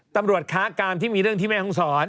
ตำรวจค้ากามที่มีเรื่องที่ไม่คงสอน